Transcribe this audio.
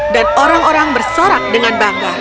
dan orang orang bersorak dengan bangga